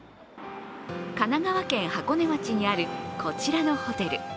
神奈川県箱根町にあるこちらのホテル。